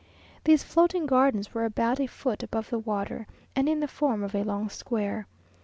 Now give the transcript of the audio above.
These floating gardens were about a foot above the water, and in the form of a long square.